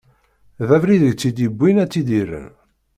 D abrid i tt-id-iwwin ara tt-irren.